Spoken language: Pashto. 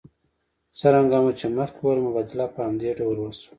څرنګه مو چې مخکې وویل مبادله په همدې ډول وشوه